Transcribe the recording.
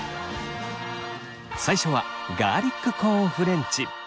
最初はガーリックコーンフレンチ。